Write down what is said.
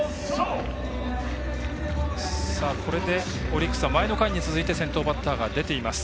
これで、オリックスは前の回に続いて先頭バッターが出ています。